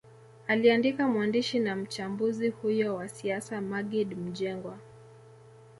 Aliandika mwandishi na mchambuzi huyo wa siasa Maggid Mjengwa